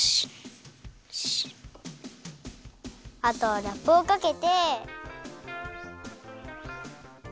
あとはラップをかけて。